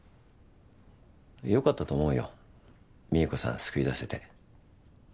良かったと思うよ美恵子さん救い出せて。